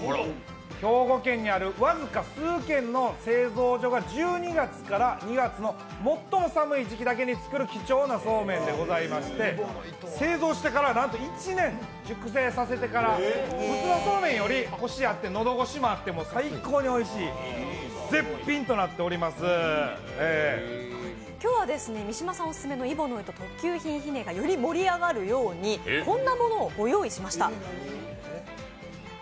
兵庫県にある僅か数件の製造所が１２月から２月の最も寒い時期だけに作る貴重なそうめんでございまして製造してから、なんと１年熟成させてから、普通のそうめんよりコシがあって喉越しもあって最高においしい、今日は三島さんオススメの揖保乃糸特級品ひねがより盛り上がるようにこんなものをご用意しました。